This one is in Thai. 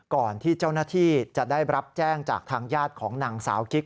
ก่อนที่เจ้าหน้าที่จะได้รับแจ้งจากทางญาติของนางสาวกิ๊ก